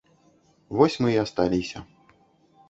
Вось мы і асталіся.